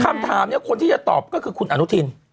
คำถามเนี่ยคนที่จะตอบก็คือคุณอนุทิน